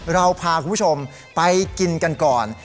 เราพาคุณผู้ชมไปกินกันก่อน